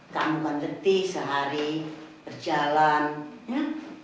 kamu kan detik sehari berjalan ya